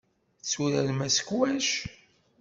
Tetturarem asekwac?